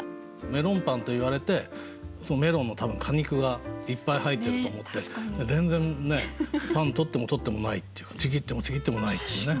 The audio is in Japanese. メロンパンと言われてメロンの多分果肉がいっぱい入ってると思って全然パン取っても取ってもないっていうかちぎってもちぎってもないっていうね。